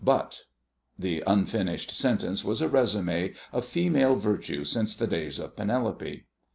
But " The unfinished sentence was a résume of female virtue since the days of Penelope.